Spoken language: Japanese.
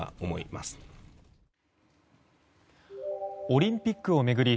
オリンピックを巡り